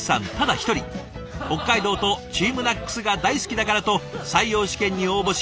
北海道とＴＥＡＭＮＡＣＳが大好きだからと採用試験に応募し